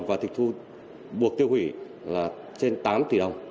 và tịch thu buộc tiêu hủy là trên tám tỷ đồng